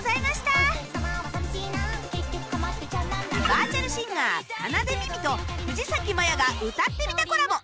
バーチャルシンガー奏みみと藤咲まやが歌ってみたコラボ